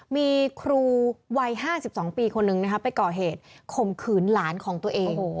มีครูวัย๕๒ปีคนนึงไปก่อเหตุข่มขืนหลานของตัวเอง